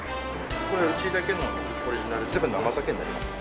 これうちだけのオリジナル全部生酒になりますね。